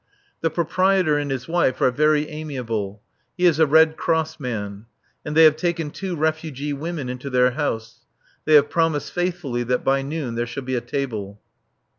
The proprietor and his wife are very amiable. He is a Red Cross man; and they have taken two refugee women into their house. They have promised faithfully that by noon there shall be a table.